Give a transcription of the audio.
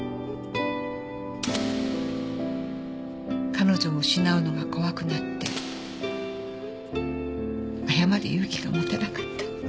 彼女を失うのが怖くなって謝る勇気が持てなかった。